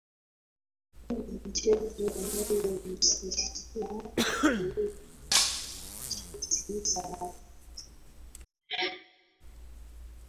Kuna michezo inayohusisha akili kama vile chesi sarantanji bao nakadhalika